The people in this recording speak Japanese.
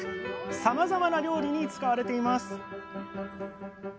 さまざまな料理に使われています